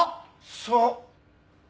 そう。